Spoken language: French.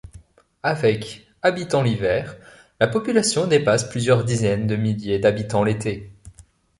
Avec habitants l'hiver, la population dépasse plusieurs dizaines de milliers d'habitants l'été.